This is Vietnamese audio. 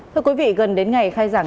thưa quý vị gần đến ngày khai giảng